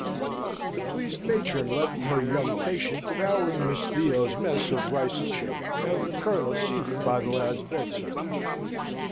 The pleased matron left her young patient devouring Miss Theo's mess of rice and chicken, and the Colonel seated by the lad's bedside.